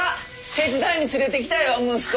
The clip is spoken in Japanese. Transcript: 手伝いに連れてきたよ息子。